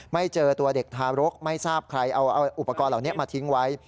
ไม่เจอตัวเด็กทารกไม่ทราบใครเอาอุปกรณ์เหล่านี้มาทิ้งไว้